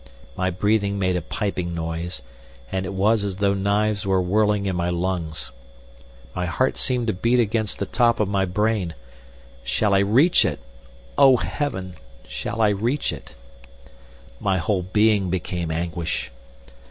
My breathing made a piping noise, and it was as though knives were whirling in my lungs. My heart seemed to beat against the top of my brain. "Shall I reach it? O Heaven! Shall I reach it?" My whole being became anguish.